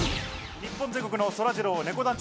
日本全国のそらジロー、ねこ団長